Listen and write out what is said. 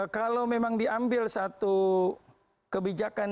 kalau memang diambil satu kebijakan